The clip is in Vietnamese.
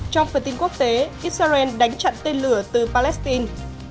trong phần tin quốc tế israel đánh chặn tên lửa từ palestine